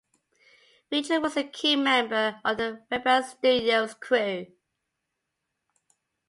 Vigil was a key member of the Rebel Studios crew.